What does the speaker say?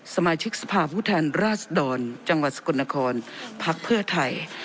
สมาชิกสภาพผู้แทนราชดรจังหวัดสกลนครพักเพื่อไทย